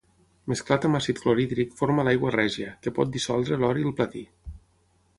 Mesclat amb àcid clorhídric forma l'aigua règia, que pot dissoldre l'or i el platí.